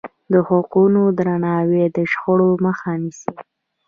د حقونو درناوی د شخړو مخه نیسي.